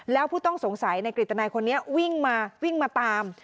แล้วผู้ต้องสงสัยในกริตนายคนนี้วิ่งมาวิ่งมาตาม